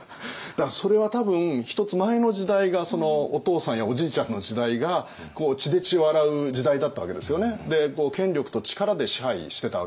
それは多分１つ前の時代がお父さんやおじいちゃんの時代が血で血を洗う時代だったわけですよね。